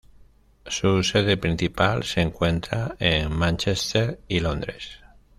Su sede principal se encuentra en Mánchester y Londres.